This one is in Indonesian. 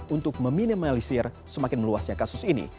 untuk meminimalisir semakin meluasnya kasus ini